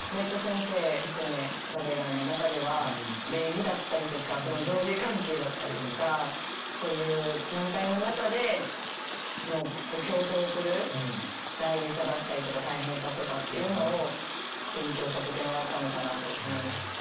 伶子先生含めバレエ団の中では礼儀だったりとか上下関係だったりとかそういう団体の中で競争する大事さだったりとか大変さとかっていうのを勉強させてもらったのかなと思います。